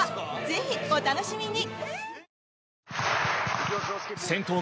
ぜひお楽しみに！